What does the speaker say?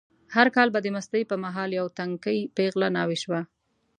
هر کال به د مستۍ په مهال یوه تنکۍ پېغله ناوې شوه.